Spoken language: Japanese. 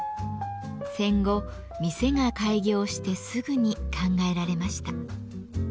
戦後店が開業してすぐに考えられました。